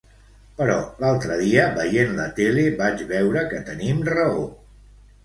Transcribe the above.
Però l'altre dia veient la tele vaig veure que tenim raó!